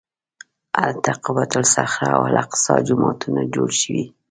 هلته قبة الصخره او الاقصی جوماتونه جوړ شوي.